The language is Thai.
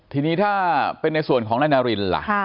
ทีนี้ถ้าเป็นในส่วนของนายนารินล่ะ